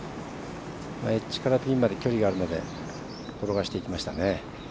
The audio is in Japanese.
エッジからピンまで距離があるので転がしていきました。